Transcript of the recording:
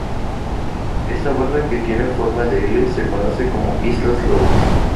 Esta barra que tiene forma de "L" se conoce como Isla Lobos.